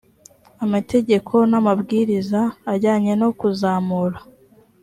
amategeko n amabwiriza ajyanye no kuzamura